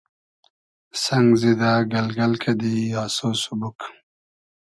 سئنگ زیدۂ گئلگئل کئدی آسۉ سوبوگ